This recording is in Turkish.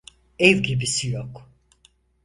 Ev gibisi yok.